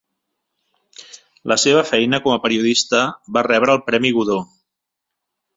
Per la seva feina com a periodista va rebre el Premi Godó.